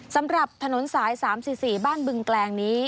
สำหรับถนนสาย๓๔บ้านบึงแกลงนี้